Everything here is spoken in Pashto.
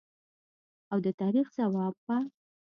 او د تاریخ ځواب به